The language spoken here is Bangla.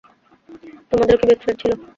তোমাদেরও কি বেস্ট ফ্রেন্ড ছিল?